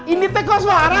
ini pakai teh kakek kasar